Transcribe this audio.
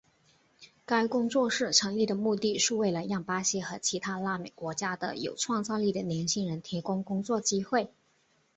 该工作室成立的目的是为了让巴西和其他拉美国家的有创造力的年轻人提供工作机会。